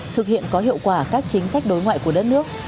thực hiện có hiệu quả các chính sách đối ngoại của đất nước